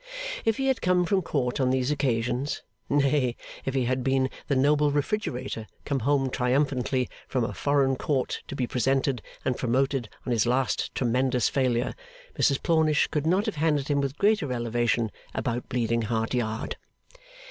If he had come from Court on these occasions, nay, if he had been the noble Refrigerator come home triumphantly from a foreign court to be presented and promoted on his last tremendous failure, Mrs Plornish could not have handed him with greater elevation about Bleeding Heart Yard.